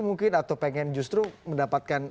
mungkin atau pengen justru mendapatkan